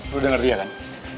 lu denger dia kan